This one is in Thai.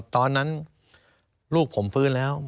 ตอนนั้นลูกผมฟื้นแล้ว